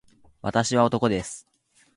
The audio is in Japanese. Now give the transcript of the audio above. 私は男です